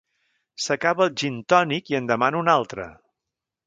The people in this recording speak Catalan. S'acaba el gintònic i en demana un altre.